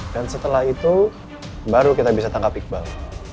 dan setelah itu baru kita bisa tangkap iqbal